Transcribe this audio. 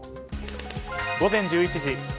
午前１１時。